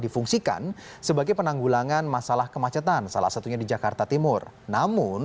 difungsikan sebagai penanggulangan masalah kemacetan salah satunya di jakarta timur namun